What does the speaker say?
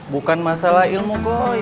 bukan masalah ilmu